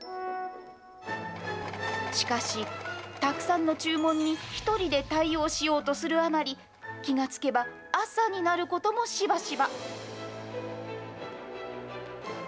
しかし、たくさんの注文に１人で対応しようとするあまり、気が付けば朝になることもしばしば。